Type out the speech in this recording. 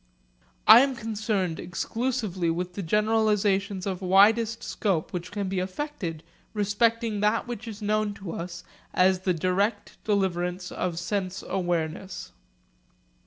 I am concerned exclusively with the generalisations of widest scope which can be effected respecting that which is known to us as the direct deliverance of sense awareness.